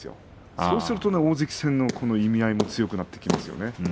そうすると大関戦の意味合いも強くなってきたんですよ。